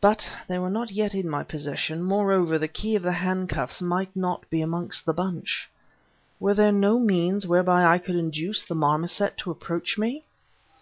But they were not yet in my possession; moreover, the key of the handcuffs might not be amongst the bunch. Were there no means whereby I could induce the marmoset to approach me?